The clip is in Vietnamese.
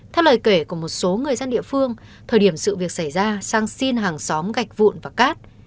theo lời kể của một số người dân địa phương thời điểm sự việc xảy ra sang xin hàng xóm gạch vụn và cát